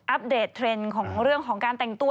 อัปเดตเทรนด์ของการแต่งตัว